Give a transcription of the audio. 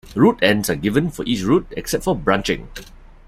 Route ends are given for each route except for branching.